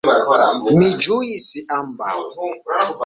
Mi ĝuis ambaŭ.